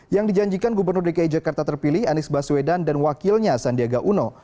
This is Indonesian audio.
yang dijanjikan gubernur dki jakarta terpilih anies baswedan dan wakilnya sandiaga uno